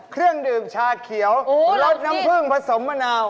เครื่องดื่มชาเขียวรสน้ำผึ้งผสมมะนาว